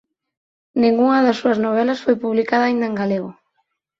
Ningunha das súas novelas foi publicada aínda en galego.